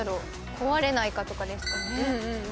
壊れないかとかですかね？